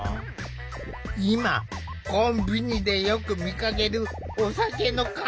今コンビニでよく見かけるお酒の看板。